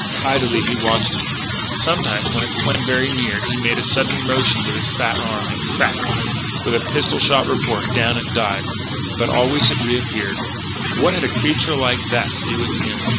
Idly he watched it. Sometimes, when it swam very near, he made a sudden motion with his fat arm; and crack! with a pistol shot report down it dived. But always it reappeared. What had a creature like that to do with him?